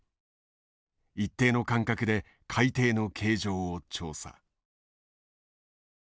一定の間隔で海底の形状を調査。